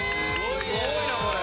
すごいなこれ。